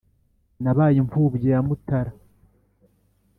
nabaye imfubyi ya mutara